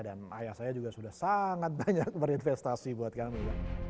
dan ayah saya juga sudah sangat banyak berinvestasi buat kami